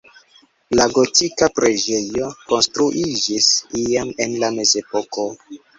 La gotika preĝejo konstruiĝis iam en la mezepoko.